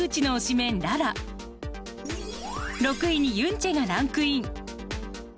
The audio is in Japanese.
メンララ６位にユンチェがランクイン。